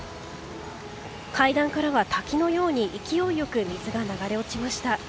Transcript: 階段からは滝のように勢いよく水が流れ落ちました。